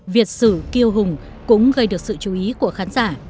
việt sử kiêu hùng cũng gây được sự chú ý của khán giả